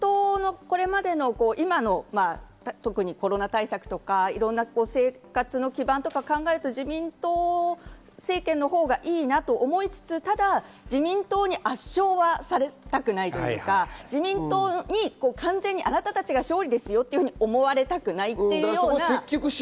自民党の今までのコロナ対策や生活の基盤とか考えると、自民党政権のほうがいいなと思いつつ、ただ自民党に圧勝はされたくないというか、自民党に完全にあなたたちが勝利ですよと思われたくないと。